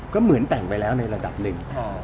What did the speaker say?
ก็เหมือนแต่งไปแล้วในระดับหนึ่ง